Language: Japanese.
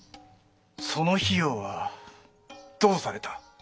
その費用はどうされた？